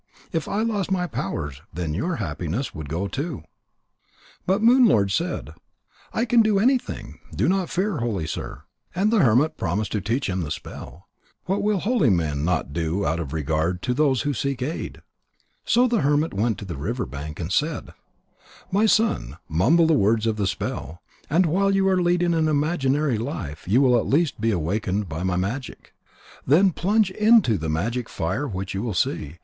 If I lost my powers, then your happiness would go too." But Moon lord said: "I can do anything. Do not fear, holy sir." And the hermit promised to teach him the spell. What will holy men not do out of regard to those who seek aid? So the hermit went to the river bank, and said: "My son, mumble the words of the spell. And while you are leading an imaginary life, you will at last be awakened by my magic. Then plunge into the magic fire which you will see.